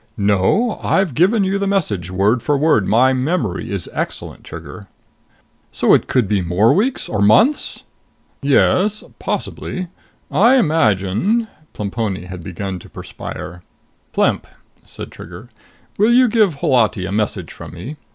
"No. I've given you the message word for word. My memory is excellent, Trigger." "So it could be more weeks? Or months?" "Yes. Possibly. I imagine...." Plemponi had begun to perspire. "Plemp," said Trigger, "will you give Holati a message from me?"